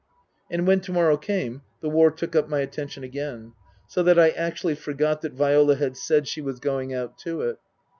And when to morrow came the war took up my atten tion again, so that I actually forgot that Viola had said she was going out to it.